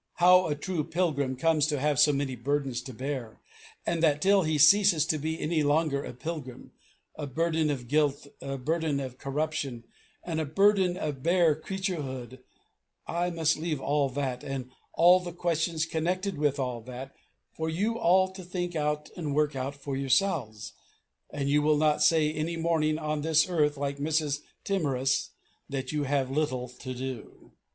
How a true pilgrim comes to have so many burdens to bear, and that till he ceases to be any longer a pilgrim, a burden of guilt, a burden of corruption, and a burden of bare creaturehood, I must leave all that, and all the questions connected with all that, for you all to think out and work out for yourselves; and you will not say any morning on this earth, like Mrs. Timorous, that you have little to do.